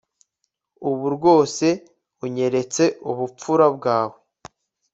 ubu rwose unyeretse ubupfura bwawe